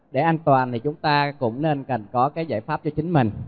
để an toàn thì chúng ta cũng nên cần có cái giải pháp cho chính mình